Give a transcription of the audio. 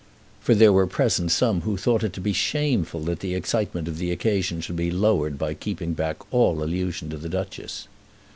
For there were present some who thought it to be shameful that the excitement of the occasion should be lowered by keeping back all allusion to the Duchess.